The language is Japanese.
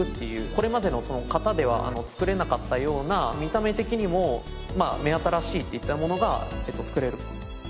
これまでの型では作れなかったような見た目的にも目新しいっていったものが作れる。